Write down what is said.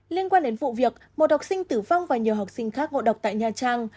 liên quan đến vụ việc một học sinh tử vong và nhiều học sinh khác ngộ độc tại nhà trang